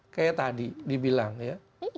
kayak tadi dibilang ya